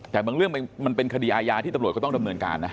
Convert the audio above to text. แต่บางเรื่องมันเป็นคดีอาญาที่ตำรวจก็ต้องดำเนินการนะ